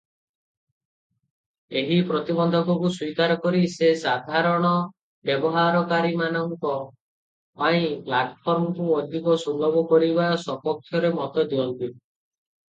ଏହି ପ୍ରତିବନ୍ଧକକୁ ସ୍ୱୀକାର କରି ସେ ସାଧାରଣ ବ୍ୟବହାରକାରୀଙ୍କ ପାଇଁ ପ୍ଲାଟଫର୍ମକୁ ଅଧିକ ସୁଲଭ କରିବା ସପକ୍ଷରେ ମତଦିଅନ୍ତି ।